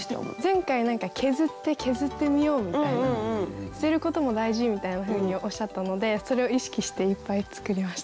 前回何か削って削ってみようみたいな捨てることも大事みたいなふうにおっしゃったのでそれを意識していっぱい作りました。